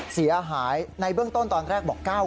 เสียหายในเบื้องต้นตอนแรกบอก๙๐